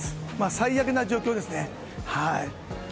最悪な状況ですね。